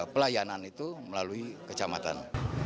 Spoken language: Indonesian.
pelayanan itu melalui kecamatan